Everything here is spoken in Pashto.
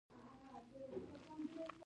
دوه زره څوارلس کال د جګړې د پای کال دی.